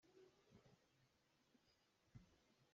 Na me aa rem khawh lo ahcun kan zangfah tah a hau ko ne lai.